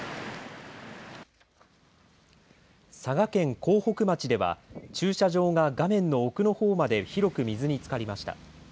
佐賀県江北町では駐車場が画面の奧のほうまで広く水につかりました。